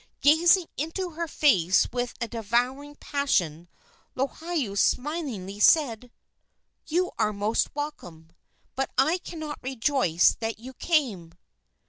Gazing into her face with a devouring passion, Lohiau smilingly said: "You are most welcome, but I cannot rejoice that you came."